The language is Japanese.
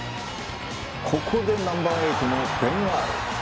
ここでナンバーエイトのベン・アール。